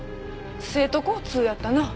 西都交通やったな？